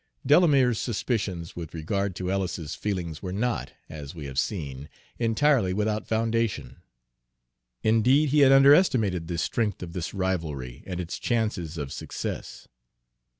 Delamere's suspicions with regard to Ellis's feelings were not, as we have seen, entirely without foundation. Indeed, he had underestimated the strength of this rivalry and its chances of success.